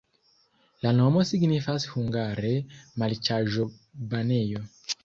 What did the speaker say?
La nomo signifas hungare: marĉaĵo-banejo.